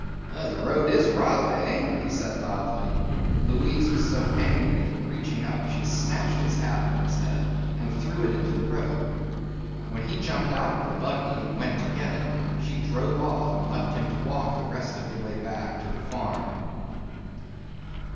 "The road is rough, eh?" he said loudly. Louise was so angry that reaching up she snatched his hat from his head and threw it into the road. When he jumped out of the buggy and went to get it, she drove off and left him to walk the rest of the way back to the farm.